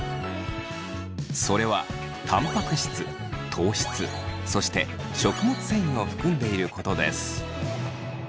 それはたんぱく質糖質そして食物繊維を含んでいることです。